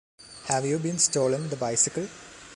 Have you been stolen the bicycle?